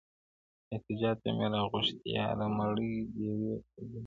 • احتجاج ته مي راغوښتيیاره مړې ډېوې په جبر,